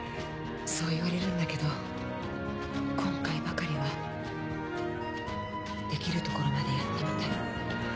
そう言われるんだけど今回ばかりはできるところまでやってみたい。